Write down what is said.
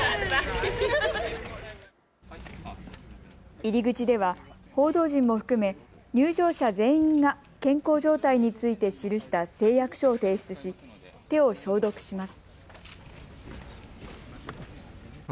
入り口では報道陣も含め入場者全員が健康状態について記した誓約書を提出し手を消毒します。